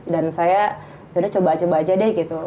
dan saya yaudah coba coba aja deh gitu